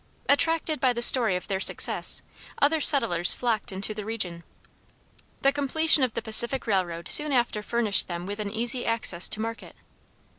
Attracted by the story of their success, other settlers flocked into the region. The completion of the Pacific Railroad soon after furnished them with an easy access to market.